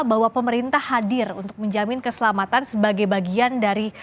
bahwa pemerintah hadir untuk menjamin keselamatan sebagai bagian dari